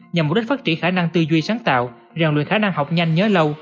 nhằm mục đích phát triển khả năng tư duy sáng tạo ràng luyện khả năng học nhanh nhớ lâu